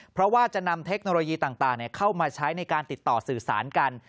เพราะว่าจะนำเทคโนโลยีต่างเข้ามาใช้ในการติดต่อสื่อสารกัน